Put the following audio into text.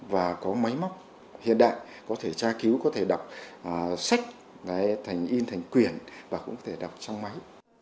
và có máy móc hiện đại có thể tra cứu có thể đọc sách thành in thành quyển và cũng có thể đọc trong máy